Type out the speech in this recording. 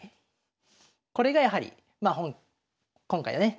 これがやはり今回のね